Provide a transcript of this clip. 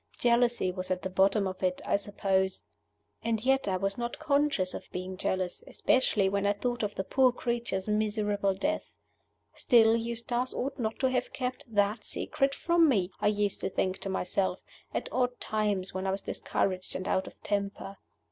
Jealousy was at the bottom of it, I suppose. And yet I was not conscious of being jealous especially when I thought of the poor creature's miserable death. Still, Eustace ought not to have kept that secret from me, I used to think to myself, at odd times when I was discouraged and out of temper.